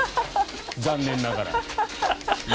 残念ながら。